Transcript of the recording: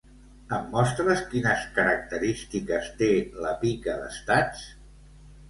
Em mostres quines característiques té la Pica d'Estats?